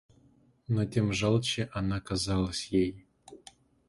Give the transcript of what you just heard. Но тем жалче она казалась ей.